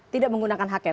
tidak menggunakan haknya